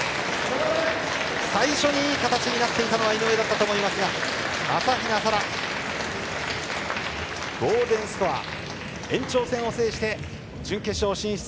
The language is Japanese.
最初にいい形になっていたのは井上だったと思いますが朝比奈沙羅、ゴールデンスコア延長戦を制して準決勝進出。